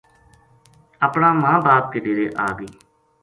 اپنا ماں باپ کے ڈیرے آ گئی